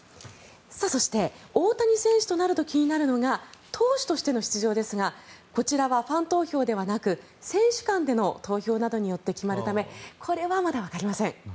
そして、大谷選手となると気になるのが投手としての出場ですがこちらはファン投票ではなく選手間での投票などによって決まるためこれはまだわかりません。